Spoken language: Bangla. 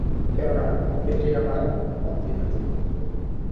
কেননা, এটি আমার অপরিহার্য কর্তব্য।